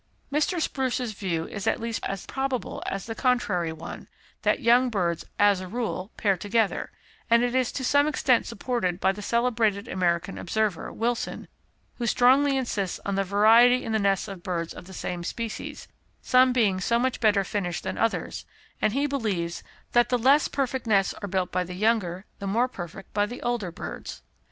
Mr. Spruce's view is at least as probable as the contrary one (that young birds, as a rule, pair together), and it is to some extent supported by the celebrated American observer, Wilson, who strongly insists on the variety in the nests of birds of the same species, some being so much better finished than others; and he believes that the less perfect nests are built by the younger, the more perfect by the older, birds.